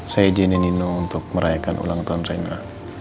saya izinin nino untuk merayakan ulang tahun rena